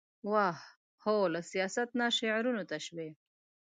واه ! هو له سياست نه شعرونو ته شوې ،